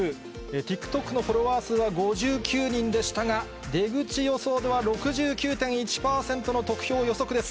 ＴｉｋＴｏｋのフォロワー数は５９人でしたが、出口予想では６９．１％の得票予測です。